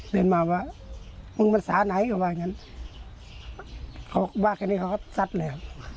เดินมาว่ามึงภาษาไหนก็ว่างั้นเขาว่าแค่นี้เขาก็ซัดเลยครับ